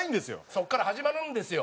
そこから始まるんですよ